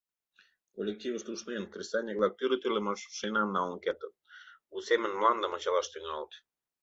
Коллективышт ушнен, кресаньык-влак тӱрлӧ-тӱрлӧ машинам налын кертыт, у семын мландым ачалаш тӱҥалыт.